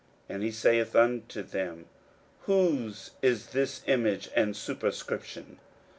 And he saith unto them, Whose is this image and superscription?